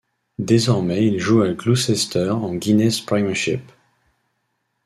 Désormais il joue à Gloucester en Guinness Premiership.